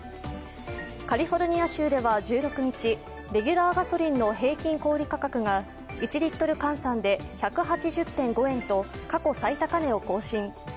カリフォルニア州では１６日、レギュラーガソリンの平均小売価格が１リットル換算で１８０．５円と過去最高値を更新。